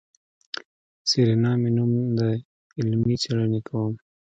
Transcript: سېرېنا مې نوم دی علمي څېړنې کوم.